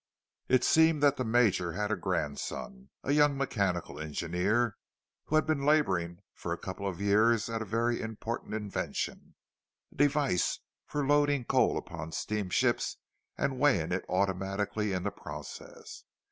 It seemed that the Major had a grandson, a young mechanical engineer, who had been labouring for a couple of years at a very important invention, a device for loading coal upon steamships and weighing it automatically in the process.